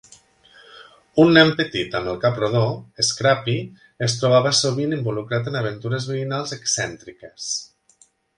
Un nen petit amb el cap rodó, Scrappy es trobava sovint involucrat en aventures veïnals excèntriques.